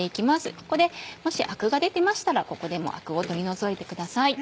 ここでもしアクが出てましたらここでもアクを取り除いてください。